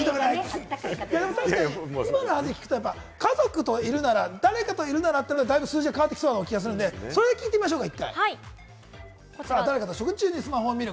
確かに今の話を聞くと家族といるなら、誰かといるならっていうので、数字が変わってきそうな気がするので、それで聞いてみましょうか。